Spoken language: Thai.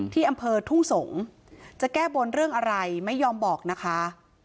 ที่อำเภอทุ่งสงศ์จะแก้บนเรื่องอะไรไม่ยอมบอกนะคะ